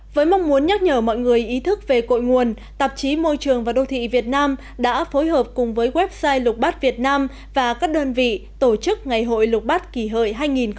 với mong muốn nhắc nhở mọi người ý thức về cội nguồn tạp chí môi trường và đô thị việt nam đã phối hợp cùng với website lục bát việt nam và các đơn vị tổ chức ngày hội lục bát kỳ hợi hai nghìn một mươi chín